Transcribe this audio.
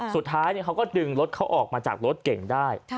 สุดท้ายเขาก็ดึงรถเขาออกมาจากรถเก่งได้